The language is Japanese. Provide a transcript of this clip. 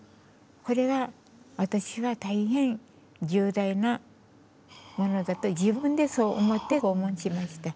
これは私は大変重大なものだと自分でそう思って訪問しました。